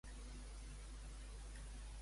Què diu de la Constitució?